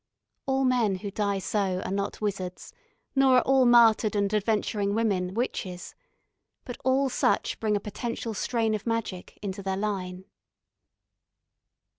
All men who die so are not wizards, nor are all martyred and adventuring women witches, but all such bring a potential strain of magic into their line.